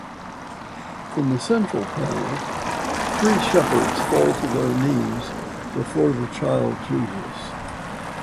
In the central panel, three shepherds fall to their knees before the child Jesus.